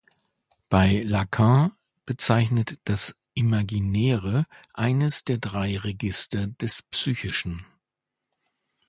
Bei Lacan bezeichnet „das Imaginäre“ eines der drei Register des Psychischen.